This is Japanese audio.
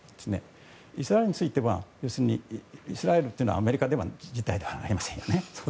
イスラエルについては要するに、イスラエルというのはアメリカ自体ではありませんよね。